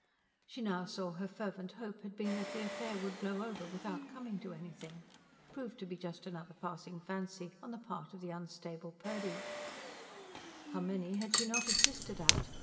She now saw her fervent hope had been that the affair would blow over without coming to anything; prove to be just another passing fancy on the part of the unstable Purdy. How many had she not assisted at!